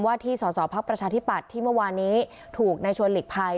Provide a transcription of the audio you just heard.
ว่าที่สอดสอบภักดิ์ประชาธิบัตรที่เมื่อวานนี้ถูกในชวนหลีกภัย